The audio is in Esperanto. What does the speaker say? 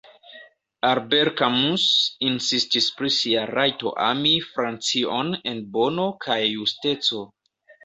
Albert Camus insistis pri sia rajto ami Francion en bono kaj justeco.